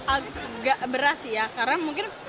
agak beras ya karena mungkin